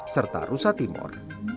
serta rusa timur